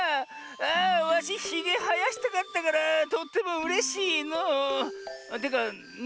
あわしひげはやしたかったからとってもうれしいのう。というかな